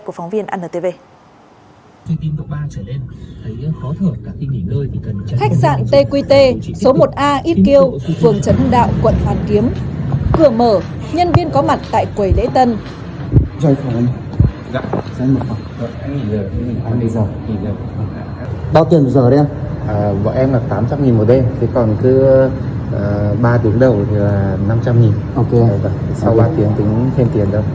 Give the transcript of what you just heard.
cửa mở nhân viên có mặt tại quầy lễ tân